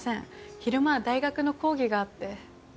昼間は大学の講義があって。